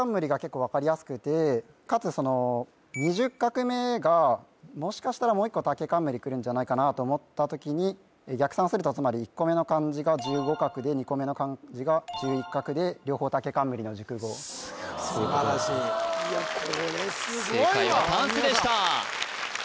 かつその２０画目がもしかしたらもう一個竹冠くるんじゃないかなと思った時に逆算するとつまり１個目の漢字が１５画で２個目の漢字が１１画で両方竹冠の熟語すごい素晴らしいいやこれすごいわ正解はたんすでした